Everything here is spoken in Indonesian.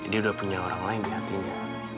dia udah punya orang lain di hatinya